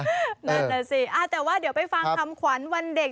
นั่นแหละสิแต่ว่าเดี๋ยวไปฟังคำขวัญวันเด็ก